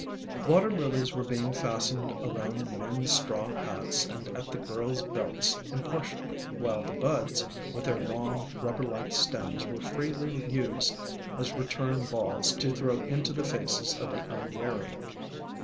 Water Lilies were being fastened around the men's straw hats and at the girls' belts impartially, while the buds, with their long, rubber like stems, were freely used as return balls to throw into the faces of the unwary.